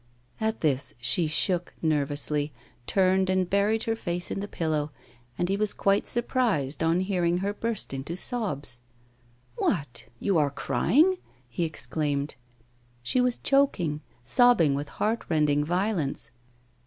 At this she shook nervously, turned and buried her face in the pillow; and he was quite surprised on hearing her burst into sobs. 'What! you are crying?' he exclaimed. She was choking, sobbing with heart rending violence.